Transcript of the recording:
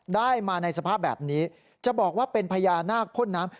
ได้มาในสภาพแบบนี้จะบอกว่าเป็นพญานาคพ่นน้ำ